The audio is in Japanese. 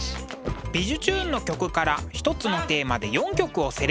「びじゅチューン！」の曲から一つのテーマで４曲をセレクト。